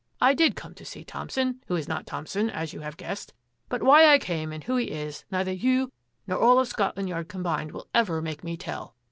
I did come to see Thompson, who is not Thompson, as you have guessed, but why I came and who he is neither you nor all of Scotland Yard combined will ever make me tell."